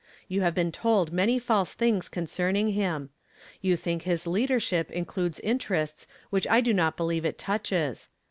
You havr been told nmny false things concerning him. You tliink his leader ship includes interests which I do not believe it touches.